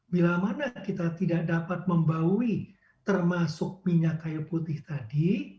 bila mana kita tidak dapat membawi termasuk minyak kayu putih tadi